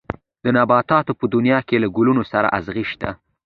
د نباتاتو په دنيا کې له ګلونو سره ازغي شته.